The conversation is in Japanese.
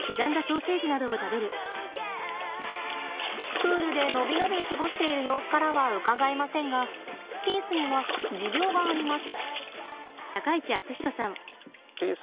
プールで伸び伸び過ごしている様子からはうかがえませんがピースには持病があります。